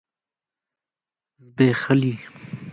ځبيښلي